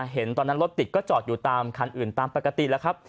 เห็นตอนนั้นรถติดก็จอดอยู่ตามคันอื่นตามปกติแล้วครับ